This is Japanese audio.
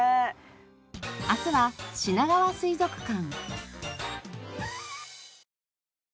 明日はしながわ水族館。